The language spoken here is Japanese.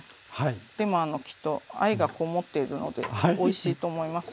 でもきっと愛がこもっているのでおいしいと思います。